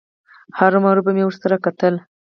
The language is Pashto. هرومرو به مې ورسره کتل.